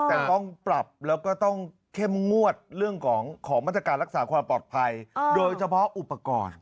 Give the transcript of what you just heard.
แต่ต้องปรับแล้วก็ต้องเข้มงวดเรื่องของมาตรการรักษาความปลอดภัยโดยเฉพาะอุปกรณ์